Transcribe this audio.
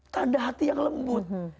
tanda hati yang lembut